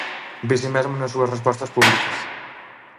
Vese mesmo nas súas respostas públicas.